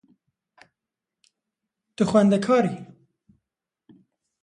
Tu xwendekar î?